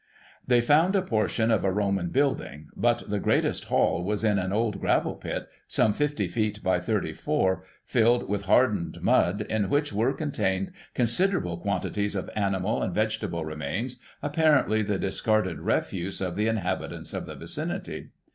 They found a portion of a Roman building, but the greatest haul was in an old gravel pit, some 50ft. by 34, filled with hardened mud, in which were contained considerable quan tities of animal and vegetable remains, apparently the dis carded refuse of the inhabitants of the vicinity.